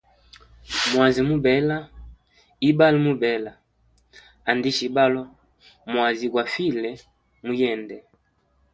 Mwazi mubela, ibalo mubela, andisha ibalo, mwazi gwa file muyende.